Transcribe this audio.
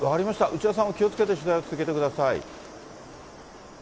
内田さんも気をつけて取材を続けてください。